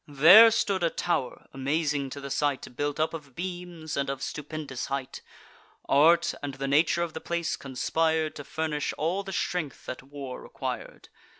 There stood a tow'r, amazing to the sight, Built up of beams, and of stupendous height: Art, and the nature of the place, conspir'd To furnish all the strength that war requir'd.